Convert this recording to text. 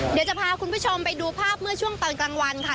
เดี๋ยวจะพาคุณผู้ชมไปดูภาพเมื่อช่วงตอนกลางวันค่ะ